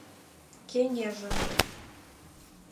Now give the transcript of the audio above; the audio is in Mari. Кеҥежым.